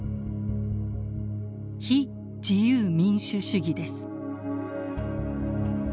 非自由民主主義です。